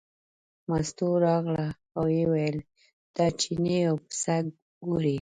مستو راغله او ویې ویل دا چینی او پسه ګورې.